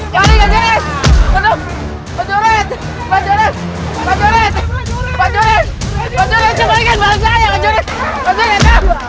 pak joret coba ikan balik saya pak joret pak joret